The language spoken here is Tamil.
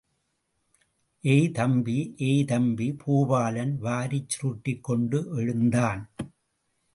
ஏய், தம்பி.... ஏய், தம்பி பூபாலன் வாரிச்சுருட்டிக் கொண்டு எழுந்தான்.